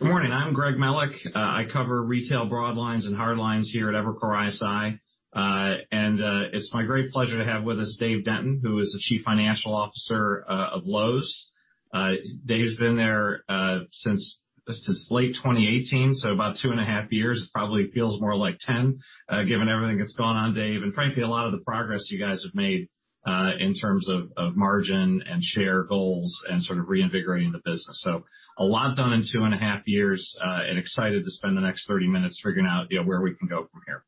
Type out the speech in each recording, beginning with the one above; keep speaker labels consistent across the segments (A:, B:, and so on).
A: Good morning. I'm Greg Melich. I cover retail broadlines and hardlines here at Evercore ISI, and it's my great pleasure to have with us Dave Denton, who is the Chief Financial Officer of Lowe's. Dave's been there since late 2018, so about two and a half years. It probably feels more like 10 given everything that's gone on, Dave, and frankly, a lot of the progress you guys have made in terms of margin and share goals and sort of reinvigorating the business. A lot done in two and a half years, and excited to spend the next 30 minutes figuring out where we can go from here.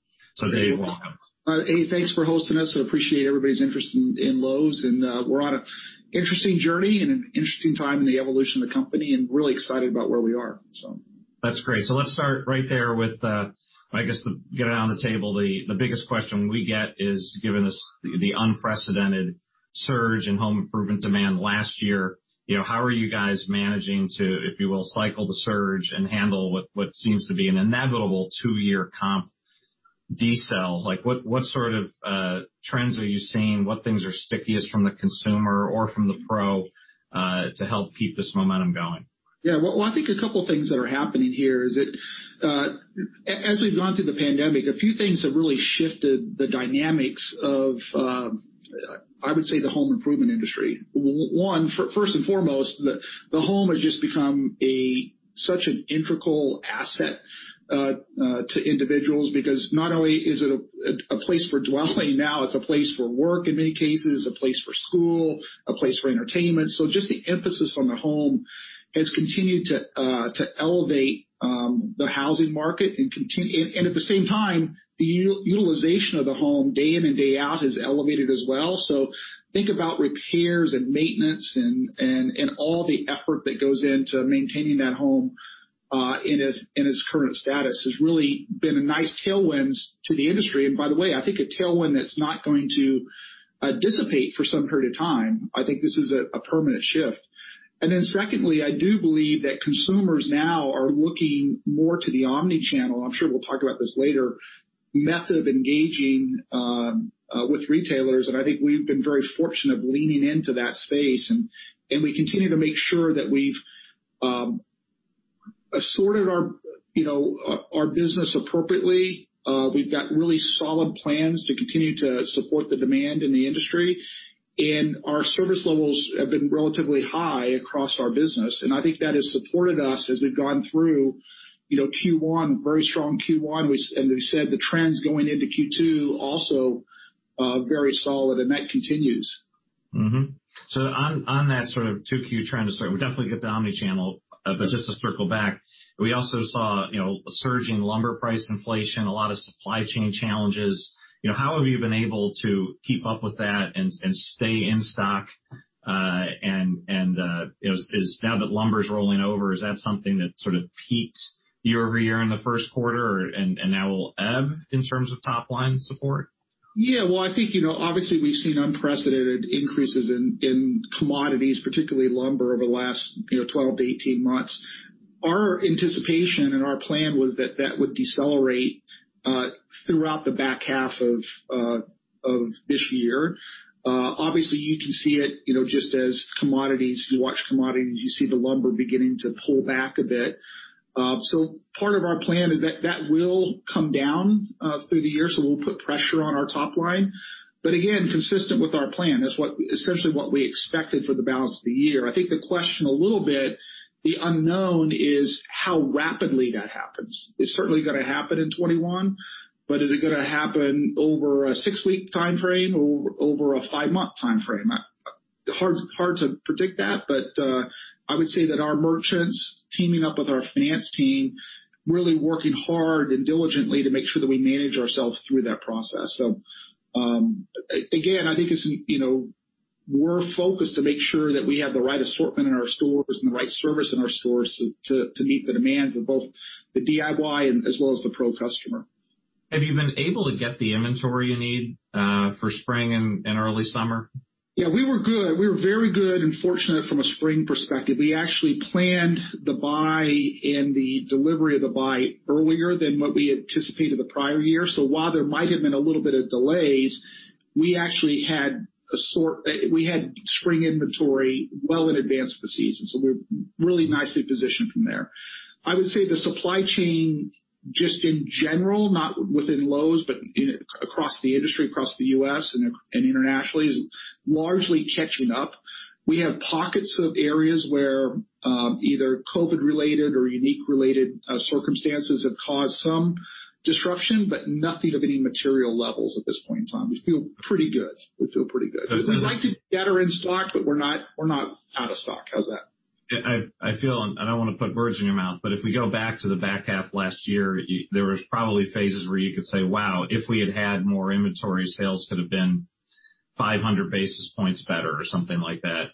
A: Dave, welcome.
B: Hey, thanks for hosting us. I appreciate everybody's interest in Lowe's. We're on an interesting journey and an interesting time in the evolution of the company and really excited about where we are.
A: That's great. Let's start right there with, I guess, to get it on the table, the biggest question we get is, given the unprecedented surge in home improvement demand last year, how are you guys managing to, if you will, cycle the surge and handle what seems to be an inevitable two year comp decel? What sort of trends are you seeing? What things are stickiest from the consumer or from the pro to help keep this momentum going?
B: Yeah. Well, I think a couple things that are happening here is that as we've gone through the pandemic, a few things have really shifted the dynamics of, I would say, the home improvement industry. One, first and foremost, the home has just become such an integral asset to individuals because not only is it a place for dwelling now, it's a place for work in many cases, a place for school, a place for entertainment. Just the emphasis on the home has continued to elevate the housing market and at the same time, the utilization of the home day in and day out is elevated as well. Think about repairs and maintenance and all the effort that goes into maintaining that home in its current status has really been a nice tailwind to the industry. By the way, I think a tailwind that's not going to dissipate for some period of time. I think this is a permanent shift. Then secondly, I do believe that consumers now are looking more to the omni-channel, I'm sure we'll talk about this later, method of engaging with retailers, and I think we've been very fortunate of leaning into that space. We continue to make sure that we've assorted our business appropriately. We've got really solid plans to continue to support the demand in the industry, and our service levels have been relatively high across our business. I think that has supported us as we've gone through Q1, very strong Q1, and we've said the trends going into Q2 also very solid, and that continues.
A: On that sort of 2Q trend or so, we definitely get the omni-channel, but just to circle back, we also saw a surge in lumber price inflation, a lot of supply chain challenges. How have you been able to keep up with that and stay in stock? Now that lumber's rolling over, is that something that sort of peaked year-over-year in the Q1 and now will ebb in terms of top-line support?
B: Yeah. Well, I think, obviously we've seen unprecedented increases in commodities, particularly lumber, over the last 12 - 18 months. Our anticipation and our plan was that that would decelerate throughout the back half of this year. Obviously, you can see it just as commodities. If you watch commodities, you see the lumber beginning to pull back a bit. Part of our plan is that that will come down through the year, so we'll put pressure on our top line. Again, consistent with our plan, it's essentially what we expected for the balance of the year. I think the question a little bit, the unknown is how rapidly that happens. It's certainly going to happen in 2021, but is it going to happen over a six week timeframe or over a five month timeframe? Hard to predict that, but I would say that our merchants teaming up with our finance team, really working hard and diligently to make sure that we manage ourselves through that process. Again, I think we're focused to make sure that we have the right assortment in our stores and the right service in our stores to meet the demands of both the DIY as well as the pro customer.
A: Have you been able to get the inventory you need for spring and early summer?
B: Yeah, we were good. We were very good and fortunate from a spring perspective. We actually planned the buy and the delivery of the buy earlier than what we anticipated the prior year. While there might've been a little bit of delays, we actually had spring inventory well in advance of the season. We're really nicely positioned from there. I would say the supply chain just in general, not within Lowe's, but across the industry, across the U.S. and internationally is largely catching up. We have pockets of areas where either COVID-related or unique-related circumstances have caused some disruption, but nothing of any material levels at this point in time. We feel pretty good. We feel pretty good. I would say it's likely better in stock, but we're not out of stock. How's that?
A: I don't want to put words in your mouth, but if we go back to the back half last year, there was probably phases where you could say, "Wow, if we had had more inventory, sales could have been 500 basis points better," or something like that.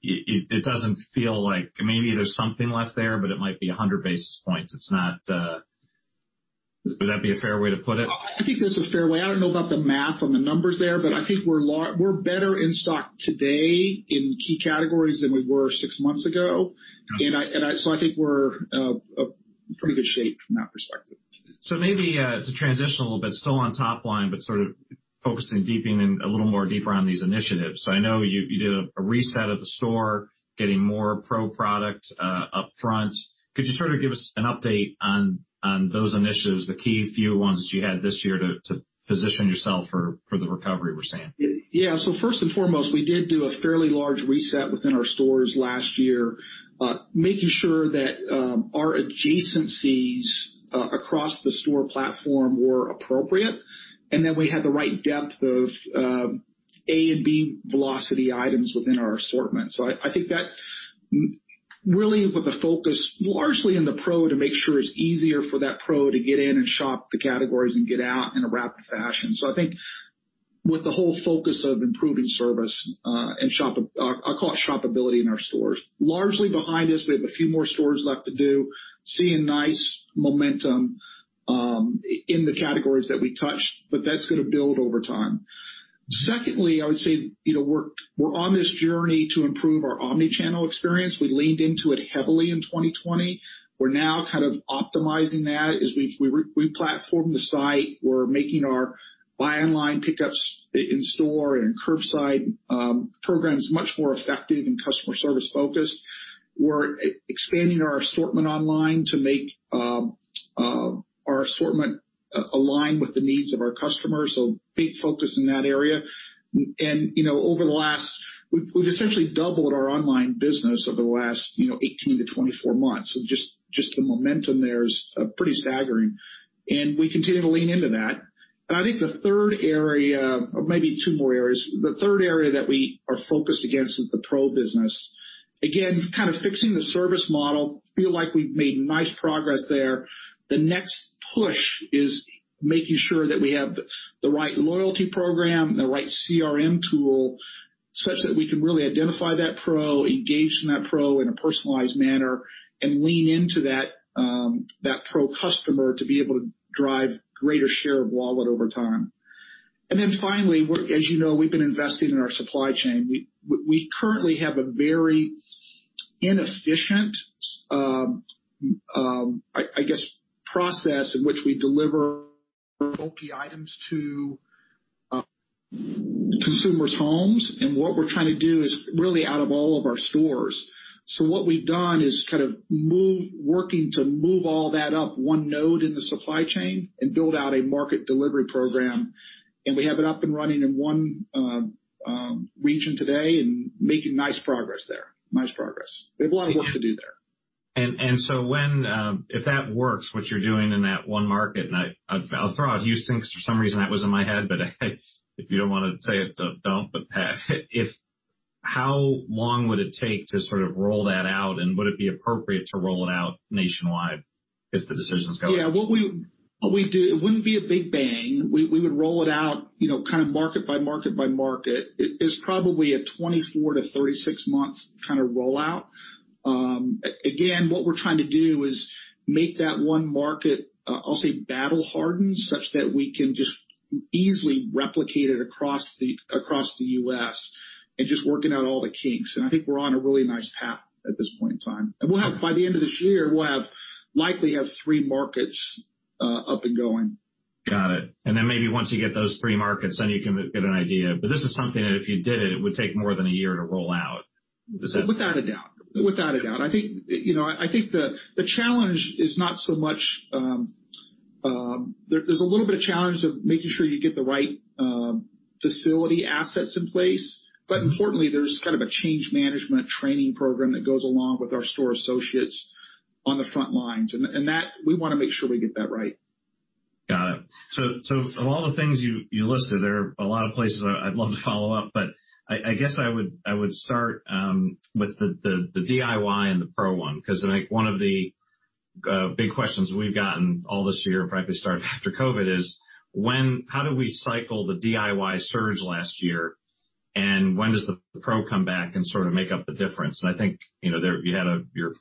A: It doesn't feel like maybe there's something left there, but it might be 100 basis points. Would that be a fair way to put it?
B: I think that's a fair way. I don't know about the math on the numbers there, but I think we're better in stock today in key categories than we were six months ago.
A: Yeah.
B: I think we're in pretty good shape from that perspective.
A: Maybe to transition a little bit, still on top line, but sort of focusing, deepening a little more deeper on these initiatives. I know you did a reset of the store, getting more pro product up front. Could you sort of give us an update on those initiatives, the key few ones that you had this year to position yourself for the recovery we're seeing?
B: First and foremost, we did do a fairly large reset within our stores last year, making sure that our adjacencies across the store platform were appropriate, and that we had the right depth of A and B velocity items within our assortment. I think that really with a focus largely in the pro to make sure it is easier for that pro to get in and shop the categories and get out in a rapid fashion. I think with the whole focus of improving service, and I call it shopability in our stores. Largely behind us, we have a few more stores left to do. Seeing nice momentum in the categories that we touched, that is going to build over time. Secondly, I would say, we are on this journey to improve our omni-channel experience. We leaned into it heavily in 2020. We're now kind of optimizing that as we platform the site. We're making our buy online, pick up in store and curbside programs much more effective and customer service focused. We're expanding our assortment online to make our assortment align with the needs of our customers, big focus in that area. We've essentially doubled our online business over the last 18 - 24 months. Just the momentum there is pretty staggering, and we continue to lean into that. I think the third area, or maybe two more areas, the third area that we are focused against is the pro business. Again, kind of fixing the service model, feel like we've made nice progress there. The next push is making sure that we have the right loyalty program, the right CRM tool, such that we can really identify that pro, engage that pro in a personalized manner, and lean into that pro customer to be able to drive greater share of wallet over time. Then finally, as you know, we've been investing in our supply chain. We currently have a very inefficient, I guess, process in which we deliver bulky items to consumers' homes. What we're trying to do is really out of all of our stores. What we've done is kind of working to move all that up one node in the supply chain and build out a market delivery program. We have it up and running in one region today and making nice progress there. Nice progress. We have a lot of work to do there.
A: If that works, what you're doing in that one market, and I'll throw out Houston because for some reason that was in my head, but if you don't want to say it, don't. How long would it take to sort of roll that out, and would it be appropriate to roll it out nationwide as the decisions go?
B: It wouldn't be a big bang. We would roll it out kind of market by market by market. It is probably a 24 - 36 months kind of rollout. What we're trying to do is make that one market, I'll say, battle hardened, such that we can just easily replicate it across the U.S. and just working out all the kinks. I think we're on a really nice path at this point in time. By the end of this year, we'll likely have three markets up and going.
A: Got it. Then maybe once you get those three markets, then you can get an idea. This is something that if you did it would take more than one year to roll out. Is that?
B: Without a doubt. I think the challenge is not so much, there's a little bit of challenge of making sure you get the right facility assets in place. Importantly, there's kind of a change management training program that goes along with our store associates on the front lines. That, we want to make sure we get that right.
A: Got it. Of all the things you listed, there are a lot of places I'd love to follow up, but I guess I would start with the DIY and the pro one, because I think one of the big questions we've gotten all this year, and frankly, starting after COVID is, how do we cycle the DIY surge last year, and when does the pro come back and sort of make up the difference? I think your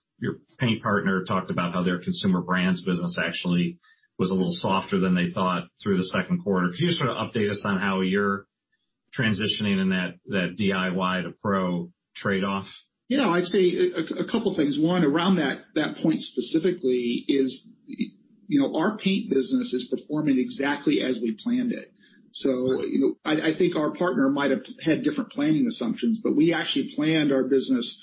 A: paint partner talked about how their consumer brands business actually was a little softer than they thought through the Q2. Could you sort of update us on how you're transitioning in that DIY to pro trade-off?
B: Yeah. I'd say a couple of things. One, around that point specifically is our paint business is performing exactly as we planned it. I think our partner might have had different planning assumptions, but we actually planned our business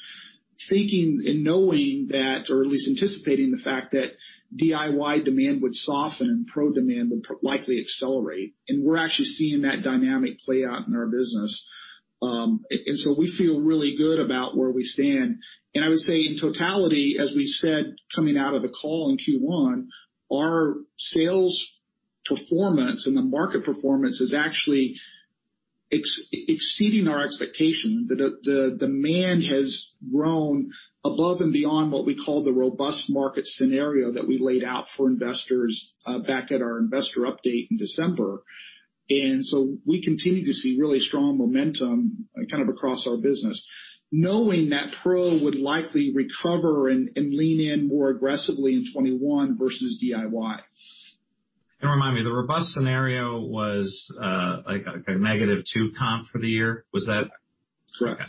B: thinking and knowing that, or at least anticipating the fact that DIY demand would soften and pro demand would likely accelerate. We're actually seeing that dynamic play out in our business. We feel really good about where we stand. I would say in totality, as we said, coming out of the call in Q1, our sales performance and the market performance is actually exceeding our expectations. The demand has grown above and beyond what we call the robust market scenario that we laid out for investors back at our investor update in December. We continue to see really strong momentum kind of across our business, knowing that pro would likely recover and lean in more aggressively in 2021 versus DIY.
A: Remind me, the robust scenario was like a negative two comp for the year. Was that?
B: Correct.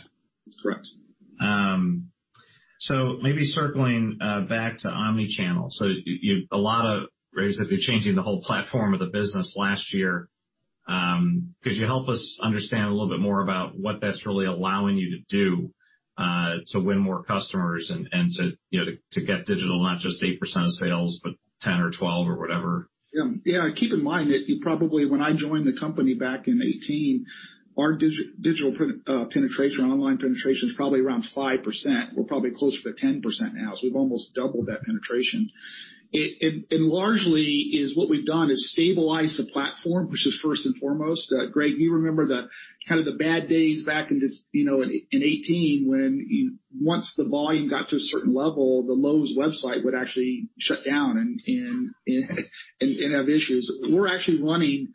A: Maybe circling back to omni-channel. You're changing the whole platform of the business last year. Could you help us understand a little bit more about what that's really allowing you to do to win more customers and to get digital not just eight percent of sales, but 10 or 12 or whatever?
B: Yeah. Keep in mind that probably when I joined the company back in 2018, our digital penetration, online penetration is probably around five percent. We're probably closer to 10% now. We've almost doubled that penetration. Largely is what we've done is stabilize the platform versus first and foremost. Greg, you remember the kind of the bad days back in 2018 when once the volume got to a certain level, the Lowe's website would actually shut down and have issues. We're actually running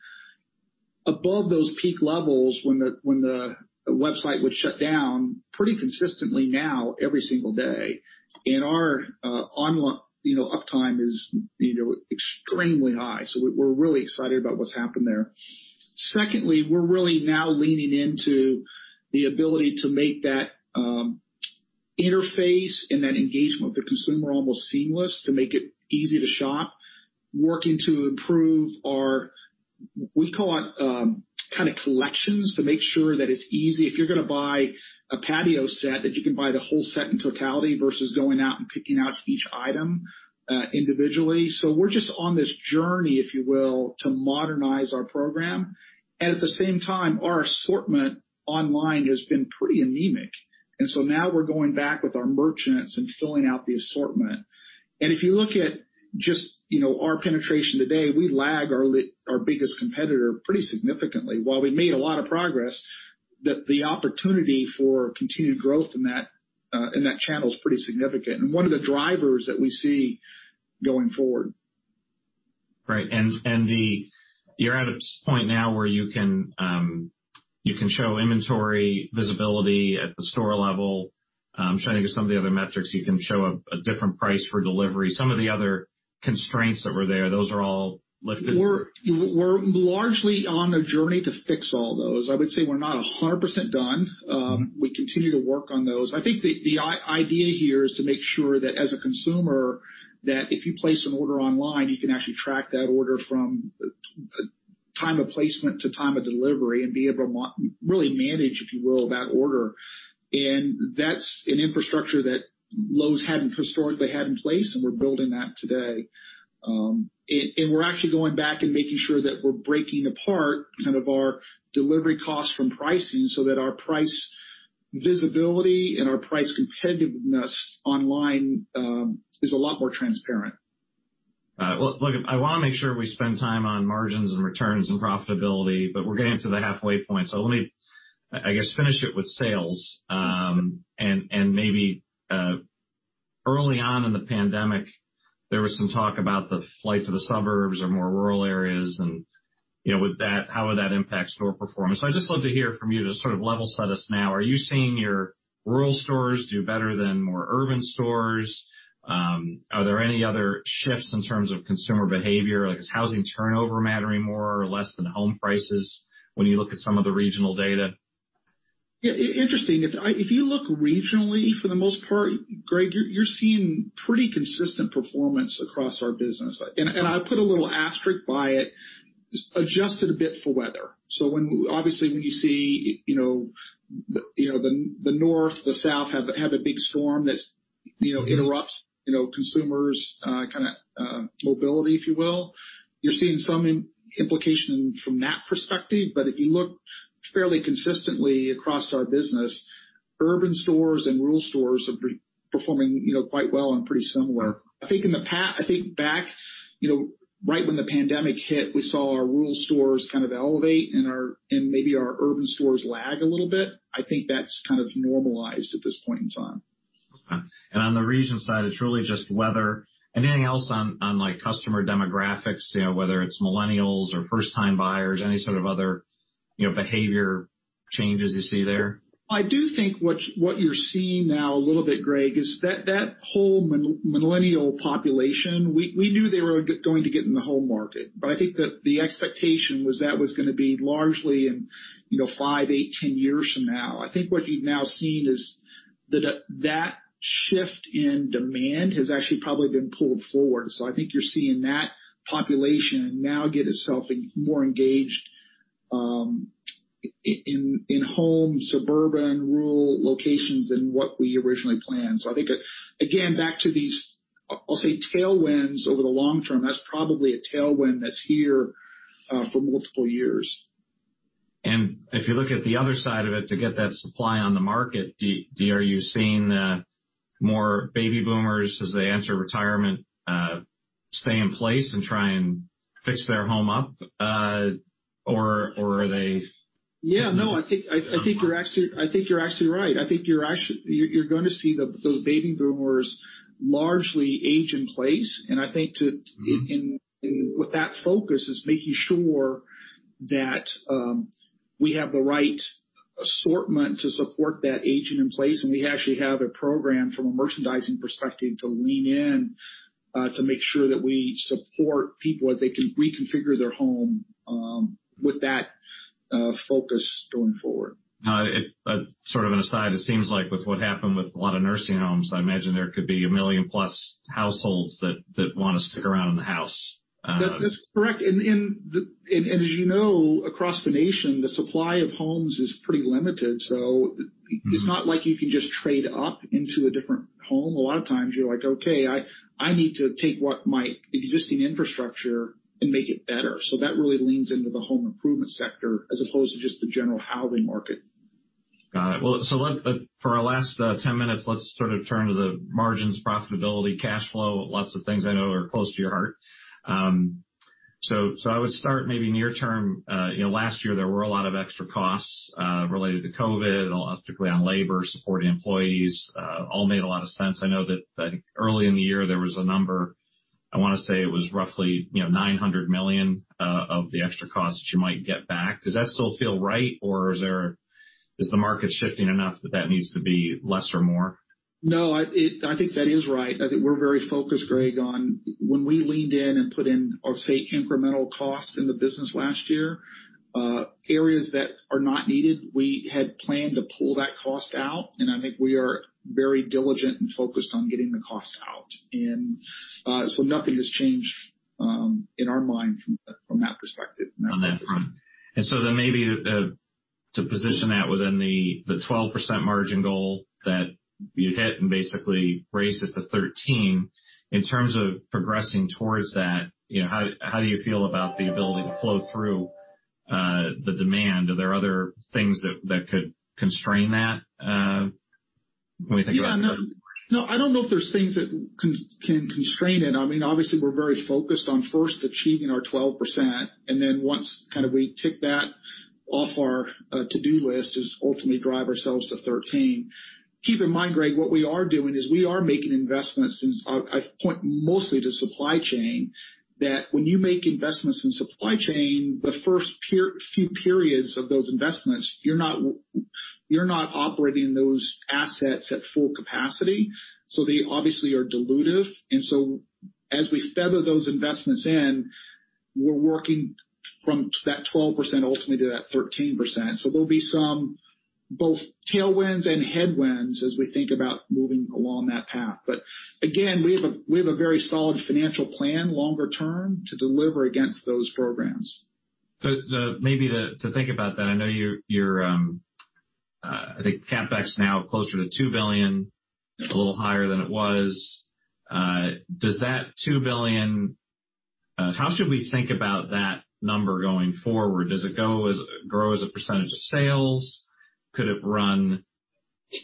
B: above those peak levels when the website would shut down pretty consistently now every single day. Our online uptime is extremely high. We're really excited about what's happened there. Secondly, we're really now leaning into the ability to make that interface and that engagement with the consumer almost seamless to make it easy to shop, working to improve our, we call it, collections to make sure that it's easy. If you're going to buy a patio set, that you can buy the whole set in totality versus going out and picking out each item individually. We're just on this journey, if you will, to modernize our program. At the same time, our assortment online has been pretty anemic. Now we're going back with our merchants and filling out the assortment. If you look at just our penetration today, we lag our biggest competitor pretty significantly. While we made a lot of progress, the opportunity for continued growth in that channel is pretty significant and one of the drivers that we see going forward.
A: Right. You're at a point now where you can show inventory visibility at the store level. I'm trying to think of some of the other metrics. You can show a different price for delivery. Some of the other constraints that were there, those are all lifted?
B: We're largely on a journey to fix all those. I would say we're not 100% done. We continue to work on those. I think the idea here is to make sure that as a consumer, that if you place an order online, you can actually track that order from time of placement to time of delivery and be able to really manage, if you will, that order. That's an infrastructure that Lowe's historically hadn't in place, and we're building that today. We're actually going back and making sure that we're breaking apart kind of our delivery cost from pricing so that our price visibility and our price competitiveness online is a lot more transparent.
A: I want to make sure we spend time on margins and returns and profitability, but we're getting to the halfway point. Let me, I guess, finish it with sales. Maybe early on in the pandemic, there was some talk about the flight to the suburbs or more rural areas, and how would that impact store performance? I'd just love to hear from you to sort of level set us now. Are you seeing your rural stores do better than more urban stores? Are there any other shifts in terms of consumer behavior? Like, is housing turnover mattering more or less than home prices when you look at some of the regional data?
B: Interesting. If you look regionally, for the most part, Greg, you're seeing pretty consistent performance across our business. I put a little asterisk by it, adjusted a bit for weather. Obviously, when you see the North, the South have had a big storm that interrupts consumers' kind of mobility, if you will. You're seeing some implication from that perspective. If you look fairly consistently across our business, urban stores and rural stores are performing quite well and pretty similar. I think back right when the pandemic hit, we saw our rural stores kind of elevate and maybe our urban stores lag a little bit. I think that's kind of normalized at this point in time.
A: On the regional side, it's really just weather. Anything else on customer demographics, whether it's millennials or first time buyers, any sort of other behavior changes you see there?
B: I do think what you're seeing now a little bit, Greg, is that whole millennial population, we knew they were going to get in the home market, but I think that the expectation was that was going to be largely in five, eight, 10 years from now. I think what you've now seen is that shift in demand has actually probably been pulled forward. I think you're seeing that population now get itself more engaged in home, suburban, rural locations than what we originally planned. I think, again, back to these, I'll say tailwinds over the long term, that's probably a tailwind that's here for multiple years.
A: If you look at the other side of it to get that supply on the market, are you seeing the more baby boomers as they enter retirement stay in place and try and fix their home up?
B: Yeah. No, I think you're actually right. I think you're going to see those baby boomers largely age in place. I think with that focus is making sure that we have the right assortment to support that aging in place. We actually have a program from a merchandising perspective to lean in to make sure that we support people as they reconfigure their home with that focus going forward.
A: Got it. Sort of an aside, it seems like with what happened with a lot of nursing homes, I imagine there could be a million-plus households that want to stick around in the house.
B: That's correct. As you know, across the nation, the supply of homes is pretty limited. It's not like you can just trade up into a different home. A lot of times you're like, okay, I need to take what my existing infrastructure and make it better. That really leans into the home improvement sector as opposed to just the general housing market.
A: Got it. For our last 10 minutes, let's sort of turn to the margins, profitability, cash flow, lots of things I know are close to your heart. I would start maybe near term. Last year there were a lot of extra costs, related to COVID, particularly on labor, supporting employees, all made a lot of sense. I know that early in the year there was a number, I want to say it was roughly $900 million of the extra costs you might get back. Does that still feel right, or is the market shifting enough that that needs to be less or more?
B: No, I think that is right. I think we're very focused, Greg, on when we leaned in and put in, I'll say, incremental costs in the business last year, areas that are not needed, we had planned to pull that cost out, and I think we are very diligent and focused on getting the cost out. Nothing has changed in our mind from that perspective, from that standpoint.
A: Maybe to position that within the 12% margin goal that you hit and basically raised it to 13%, in terms of progressing towards that, how do you feel about the ability to flow through the demand? Are there other things that could constrain that?
B: No, I don't know if there's things that can constrain it. Obviously, we're very focused on first achieving our 12%, and then once kind of we tick that off our to do list, is ultimately drive ourselves to 13%. Keep in mind, Greg, what we are doing is we are making investments, and I point mostly to supply chain, that when you make investments in supply chain, the first few periods of those investments, you're not operating those assets at full capacity. They obviously are dilutive. As we feather those investments in, we're working from that 12% ultimately to that 13%. There'll be some both tailwinds and headwinds as we think about moving along that path. Again, we have a very solid financial plan longer term to deliver against those programs.
A: Maybe to think about that, I know your, I think, CapEx now closer to $2 billion, a little higher than it was. Does that $2 billion, how should we think about that number going forward? Does it grow as a percentage of sales? Could it run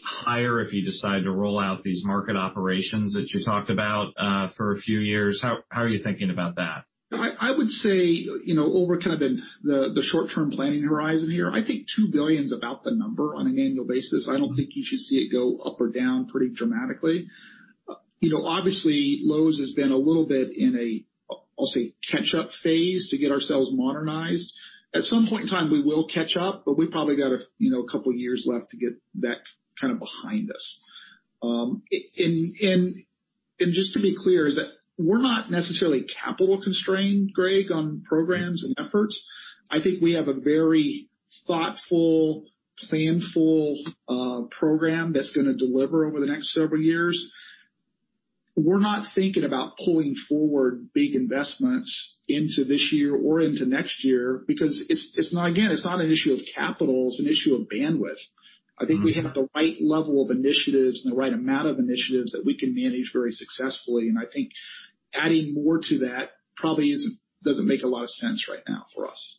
A: higher if you decide to roll out these market operations that you talked about, for a few years? How are you thinking about that?
B: I would say, over kind of the short-term planning horizon here, I think $2 billion is about the number on an annual basis. I don't think you should see it go up or down pretty dramatically. Obviously, Lowe's has been a little bit in a, I'll say, catch-up phase to get ourselves modernized. At some point in time, we will catch up, but we probably got a couple of years left to get that kind of behind us. Just to be clear, is that we're not necessarily capital constrained, Greg, on programs and efforts. I think we have a very thoughtful, planful program that's going to deliver over the next several years. We're not thinking about pulling forward big investments into this year or into next year because, again, it's not an issue of capital, it's an issue of bandwidth. I think we have the right level of initiatives and the right amount of initiatives that we can manage very successfully. I think adding more to that probably doesn't make a lot of sense right now for us.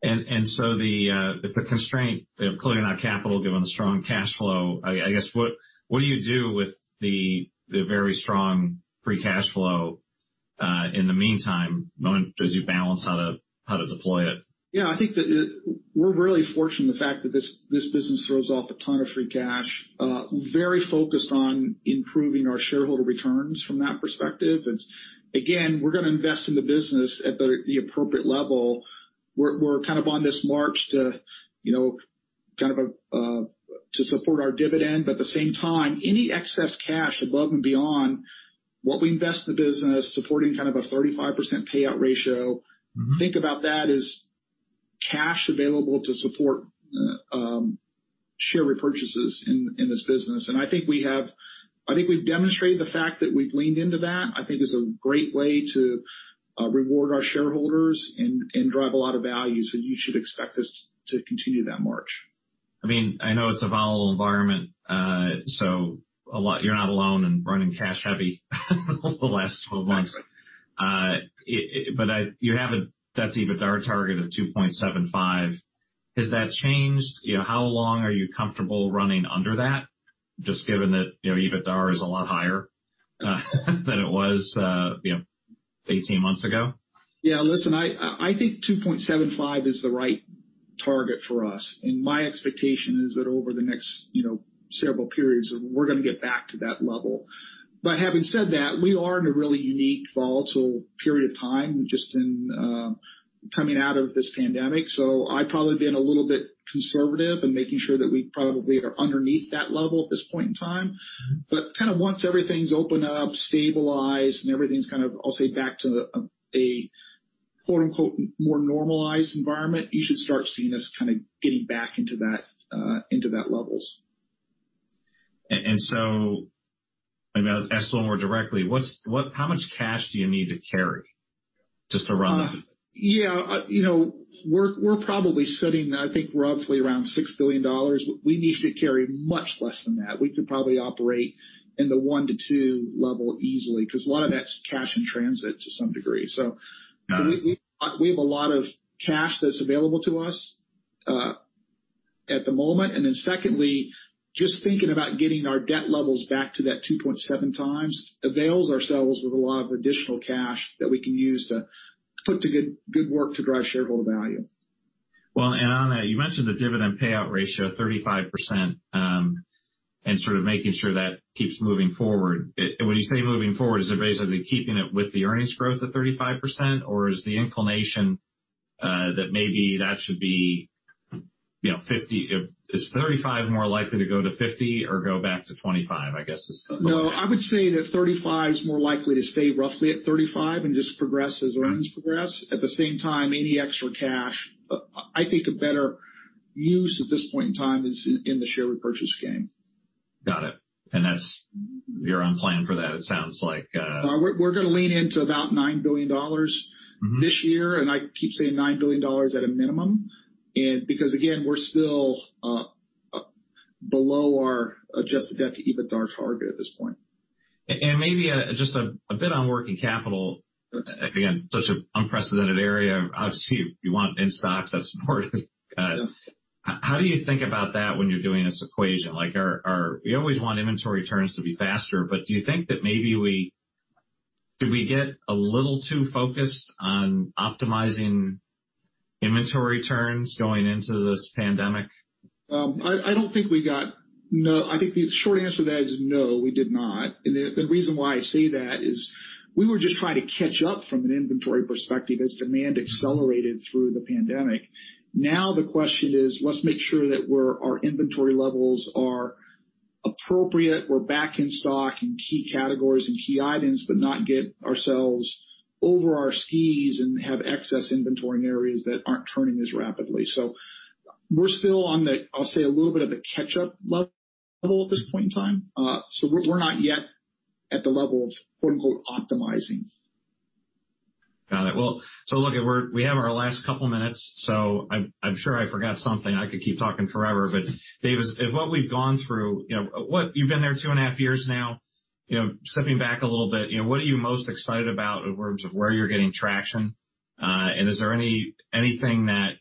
A: If the constraint, clearly you're not capital, given the strong cash flow, I guess, what do you do with the very strong free cash flow in the meantime, as you balance how to deploy it?
B: Yeah, I think that we're really fortunate in the fact that this business throws off a ton of free cash. Very focused on improving our shareholder returns from that perspective. Again, we're going to invest in the business at the appropriate level. We're kind of on this march to support our dividend. At the same time, any excess cash above and beyond what we invest in the business, supporting kind of a 35% payout ratio. think about that as cash available to support share repurchases in this business. I think we've demonstrated the fact that we've leaned into that. I think it's a great way to reward our shareholders and drive a lot of value. You should expect us to continue that march.
A: I know it's a volatile environment, so you're not alone in running cash-heavy over the last 12 months. You have that EBITDA target of 2.75. Has that changed? How long are you comfortable running under that, just given that EBITDA is a lot higher than it was 18 months ago?
B: Yeah. Listen, I think 2.75 is the right target for us, and my expectation is that over the next several periods, we're going to get back to that level. Having said that, we are in a really unique, volatile period of time just in coming out of this pandemic. I'd probably been a little bit conservative in making sure that we probably are underneath that level at this point in time. Kind of once everything's opened up, stabilized, and everything's kind of, I'll say, back to a "more normalized environment," you should start seeing us kind of getting back into that levels.
A: As to more directly, how much cash do you need to carry just to run?
B: Yeah. We're probably sitting, I think, roughly around $6 billion. We need to carry much less than that. We could probably operate in the one - two level easily, because a lot of that's cash in transit to some degree.
A: Yeah.
B: We have a lot of cash that's available to us at the moment. Secondly, just thinking about getting our debt levels back to that 2.7x avails ourselves with a lot of additional cash that we can use to put to good work to drive shareholder value.
A: Well, on that, you mentioned the dividend payout ratio of 35% and sort of making sure that keeps moving forward. When you say moving forward, is it basically keeping it with the earnings growth of 35%? Is the inclination that maybe that should be 50? Is 35 more likely to go to 50 or go back to 25, I guess?
B: No, I would say that 35 is more likely to stay roughly at 35 and just progress as earnings progress. At the same time, any extra cash, I think a better use at this point in time is in the share repurchase game.
A: Got it. That's your own plan for that, it sounds like.
B: We're going to lean into about $9 billion this year. I keep saying $9 billion at a minimum. Because, again, we're still below our adjusted EBITDA target at this point.
A: Maybe just a bit on working capital. Again, such an unprecedented area. Obviously, if you want in-stocks, that's important.
B: Yes.
A: How do you think about that when you're doing this equation? We always want inventory turns to be faster, but do you think that maybe did we get a little too focused on optimizing inventory turns going into this pandemic?
B: I think the short answer to that is no, we did not. The reason why I say that is we were just trying to catch up from an inventory perspective as demand accelerated through the pandemic. Now the question is, let's make sure that our inventory levels are appropriate. We're back in stock in key categories and key items, but not get ourselves over our skis and have excess inventory in areas that aren't turning as rapidly. We're still on the, I'll say, a little bit of the catch-up level at this point in time. We're not yet at the level of quote unquote, "optimizing.
A: Got it. Well, look, we have our last couple minutes, so I'm sure I forgot something. I could keep talking forever, Dave, as what we've gone through, you've been there two and a half years now. Stepping back a little bit, what are you most excited about in terms of where you're getting traction? Is there anything that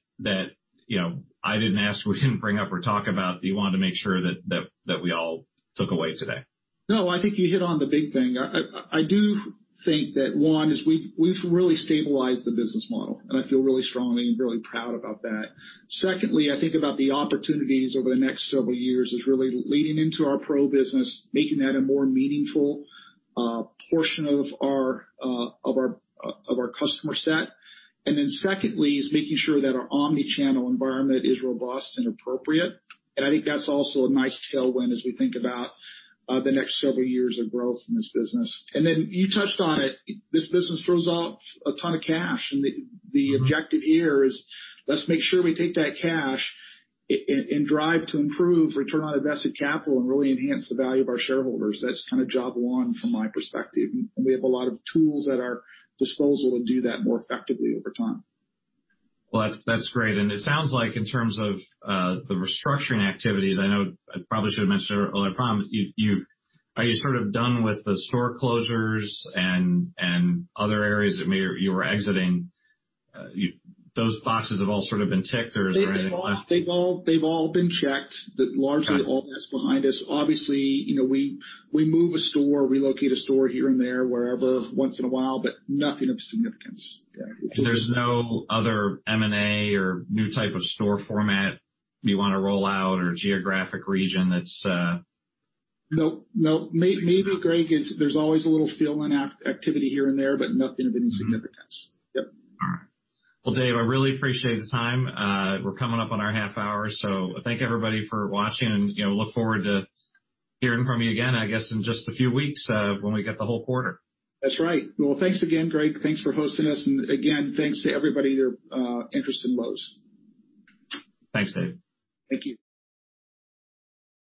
A: I didn't ask, we didn't bring up or talk about that you want to make sure that we all took away today?
B: No, I think you hit on the big thing. I do think that one is we've really stabilized the business model, and I feel really strongly and really proud about that. Secondly, I think about the opportunities over the next several years is really leaning into our pro business, making that a more meaningful portion of our customer set. Secondly is making sure that our omni-channel environment is robust and appropriate. I think that's also a nice tailwind as we think about the next several years of growth in this business. You touched on it. This business throws off a ton of cash, and the objective here is let's make sure we take that cash and drive to improve return on invested capital and really enhance the value of our shareholders. That's kind of job one from my perspective. We have a lot of tools at our disposal to do that more effectively over time.
A: Well, that's great. It sounds like in terms of the restructuring activities, I know I probably should have mentioned earlier, are you sort of done with the store closures and other areas that you were exiting? Those boxes have all sort of been ticked. Is there any last-
B: They've all been checked.
A: Got it.
B: Largely all that's behind us. Obviously, we move a store, relocate a store here and there, wherever once in a while, but nothing of significance. Yeah.
A: There's no other M&A or new type of store format you want to roll out or geographic region that's-
B: No. Maybe, Greg, there's always a little fill-in activity here and there, but nothing of any significance. Yep.
A: All right. Well, Dave, I really appreciate the time. We're coming up on our half hour, so thank you everybody for watching and look forward to hearing from you again, I guess, in just a few weeks when we get the whole quarter.
B: That's right. Well, thanks again, Greg. Thanks for hosting us and again, thanks to everybody who are interested in Lowe's.
A: Thanks, Dave.
B: Thank you.